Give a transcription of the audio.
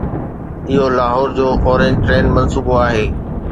اهو لاهور جو orange train منصوبو آهي.